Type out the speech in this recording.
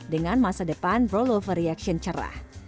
dengan masa depan rollover reaction cerah